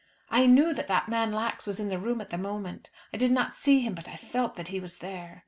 I knew that that man Lax was in the room at the moment. I did not see him, but I felt that he was there.